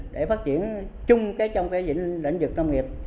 để phát triển chung cái trong cái lĩnh vực nông nghiệp